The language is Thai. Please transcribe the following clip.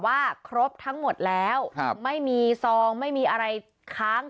ว่าครบทั้งหมดแล้วไม่มีซองไม่มีอะไรค้าง